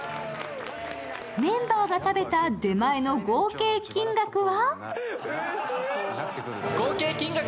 メンバーが食べた出前の合計金額は。